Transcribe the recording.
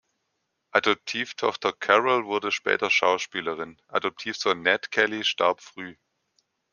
Adoptivtochter Carol wurde später Schauspielerin; Adoptivsohn Nat Kelly starb früh.